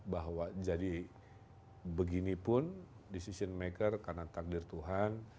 bahwa jadi beginipun decision maker karena takdir tuhan